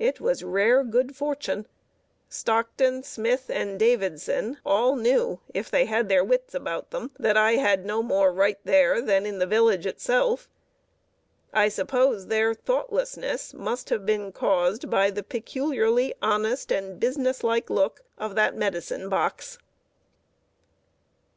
It was rare good fortune. Stockton, Smith, and Davidson, all knew, if they had their wits about them, that I had no more right there than in the village itself. I suppose their thoughtlessness must have been caused by the peculiarly honest and business like look of that medicine box!